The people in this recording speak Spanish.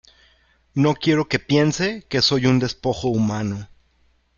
no quiero que piense que soy un despojo humano.